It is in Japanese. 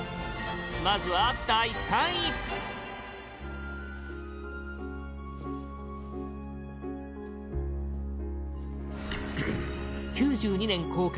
まずは第３位９２年公開